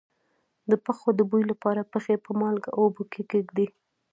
د پښو د بوی لپاره پښې په مالګه اوبو کې کیږدئ